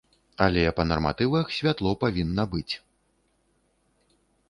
Але па нарматывах святло павінна быць.